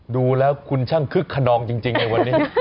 ดูแล้วคุณช่างคึกขนองจริงในวันนี้